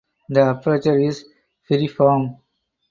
The aperture is piriform.